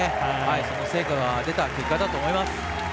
その成果が出た結果だと思います。